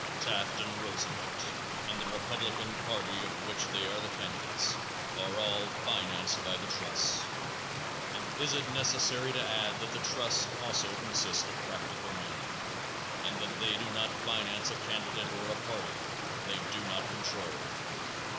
_ Taft and Roosevelt, and the Republican party of which they are the candidates, are all financed by the trusts, and is it necessary to add that the trusts also consist of practical men and that they do not finance a candidate or a party they do not control?